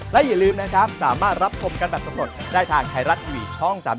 และอย่าลืมนะครับสามารถรับคมกันแบบสมมติได้ทางไทยรัตน์อีวิชช่อง